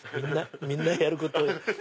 みんなやることを。